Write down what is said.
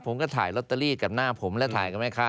ผมก็ถ่ายลอตเตอรี่กับหน้าผมและถ่ายกับแม่ค้า